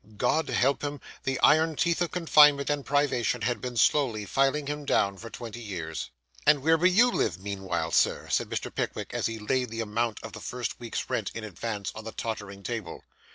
God help him! the iron teeth of confinement and privation had been slowly filing him down for twenty years. 'And where will you live meanwhile, Sir?' said Mr. Pickwick, as he laid the amount of the first week's rent, in advance, on the tottering table.